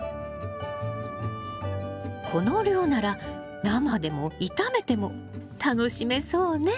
この量なら生でも炒めても楽しめそうね。